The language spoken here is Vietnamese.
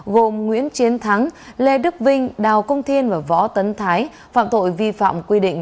gồm nguyễn chiến thắng lê đức vinh đào công thiên và võ tấn thái phạm tội vi phạm quy định